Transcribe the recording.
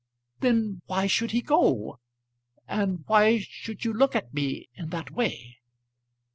"Then why should he go? And why should you look at me in that way?"